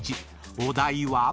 お題は？］